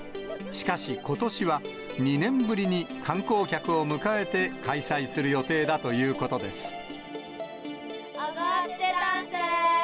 しかし、ことしは２年ぶりに観光客を迎えて開催する予定だということです。